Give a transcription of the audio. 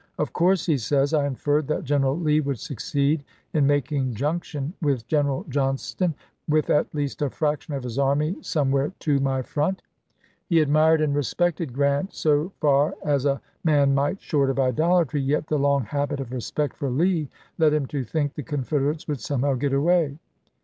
"Of course," he says, "I inferred that General Lee would succeed in making junction with General Johnston, with at least a fraction of his army, some "Mem^S" where to my front." He admired and respected p. '343." Vol. X.— 16 242 ABRAHAM LINCOLN chap. xii. Grant, so far as a man might short of idolatry, yet the long habit of respect for Lee led him to think the Confederates would somehow get away.